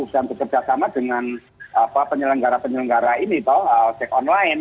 dan bekerja sama dengan penyelenggara penyelenggara ini toh sec online